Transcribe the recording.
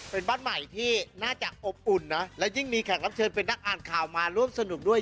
เป็นบ้านใหม่ที่น่าจะอบอุ่นนะและยิ่งมีแขกรับเชิญเป็นนักอ่านข่าวมาร่วมสนุกด้วย